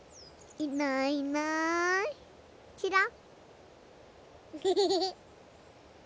いないいないちらっ。